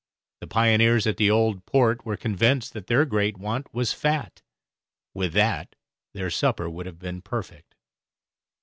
The pioneers at the Old Port were convinced that their great want was fat; with that their supper would have been perfect.